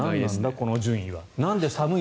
この順位は。